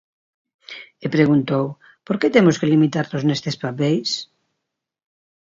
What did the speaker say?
E preguntou, "por que temos que limitarnos nestes papeis?".